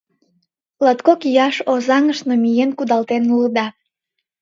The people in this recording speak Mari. Латкок ияшым Озаҥыш намиен кудалтен улыда.